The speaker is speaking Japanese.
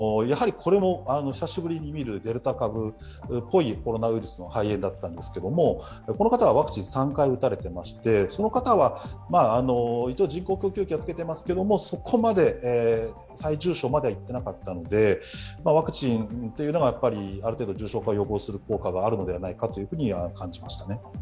もう一人の方は、やはりこれも久しぶりに見るデルタ株っぽいコロナウイルスの肺炎だったんですけど、この方はワクチン３回打たれていましてその方は一応、人工呼吸器はつけていますけれども、そこまで最重症までいっていなかったのでワクチンというのはある程度重症化を予防する効果があるのではないかと思います。